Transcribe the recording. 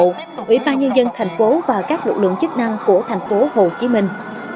ủy ban nhân dân thành phố và các lực lượng chức năng của thành phố hồ chí minh